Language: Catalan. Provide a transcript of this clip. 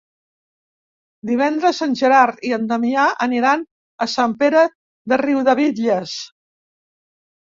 Divendres en Gerard i en Damià aniran a Sant Pere de Riudebitlles.